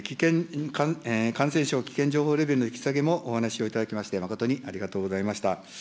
感染症危険情報レベルの引き下げもお話しもいただきまして、誠にありがとうございました。